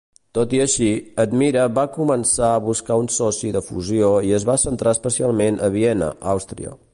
Tot i així, Admira va començar a buscar un soci de fusió i es va centrar especialment a Vienna, Austria.